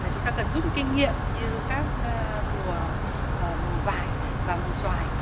chúng ta cần giúp kinh nghiệm như các của mùi vải và mùi xoài